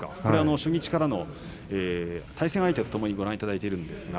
初日からの対戦相手をご覧いただいています。